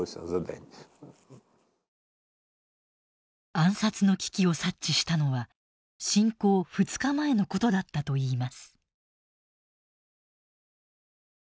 暗殺の危機を察知したのは侵攻２日前のことだったといいます。